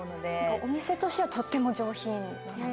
お店としてはとっても上品なので。